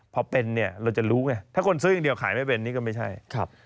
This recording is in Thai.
พอเป็นเนี่ยเราจะรู้ไงถ้าคนซื้ออย่างเดียวขายไม่เป็นนี่ก็ไม่ใช่ครับ